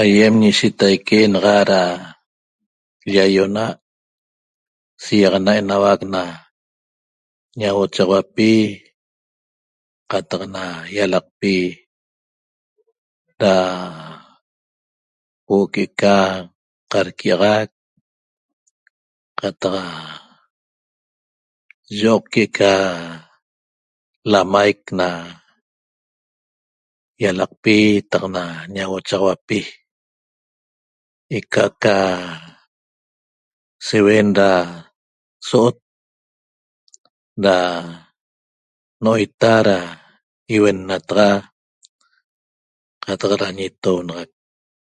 Aiem ñishetaique naxa ra lyaionat siiaxana enauac na ñauochaxauapi qataq na ialaqpi ra huo’o que'eca qarquiaxac qataq yo'oq que'eca lamaic na ialaqpi taq ñauochaxauapi eca ca siuen ra so'ot ra no'oita ra iuennataxa qataq ra ñetonaxac